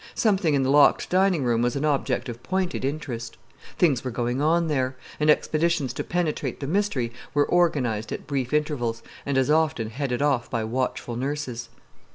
Something in the locked dining room was an object of pointed interest. Things were going on there, and expeditions to penetrate the mystery were organized at brief intervals, and as often headed off by watchful nurses.